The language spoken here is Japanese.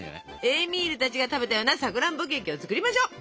エーミールたちが食べたようなさくらんぼケーキを作りましょう。